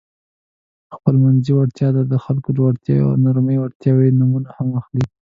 خپلمنځي وړتیا ته د خلکو وړتیاوې او نرمې وړتیاوې نومونه هم اخلي.